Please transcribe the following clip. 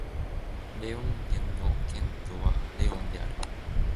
レオン県の県都はレオンである